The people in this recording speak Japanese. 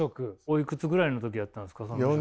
おいくつぐらいの時やったんですか？